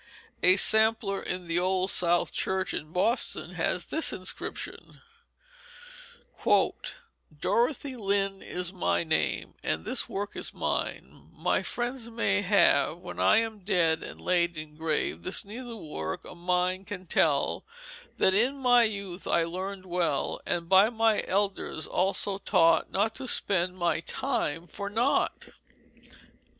A sampler in the Old South Church in Boston has this inscription: "Dorothy Lynde is my Name And this Work is mine My Friends may have When I am Dead and laid in Grave This Needlework of mine can tell That in my youth I learned well And by my elders also taught Not to spend my time for naught."